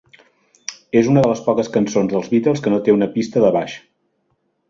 És una de les poques cançons dels Beatles que no té una pista de baix.